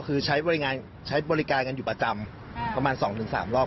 คือใช้บริการกันอยู่ประจำประมาณ๒๓รอบ